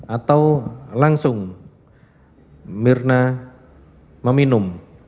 atau langsung mirna meminum